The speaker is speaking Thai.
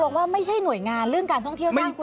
ว่าไม่ใช่หน่วยงานเรื่องการท่องเที่ยวจ้างคุณ